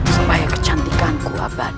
supaya kecantikanku abadi